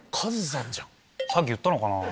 さっき言ったのかなあ？